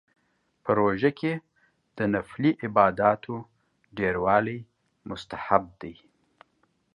په روژه کې د نفلي عباداتو ډیروالی مستحب دی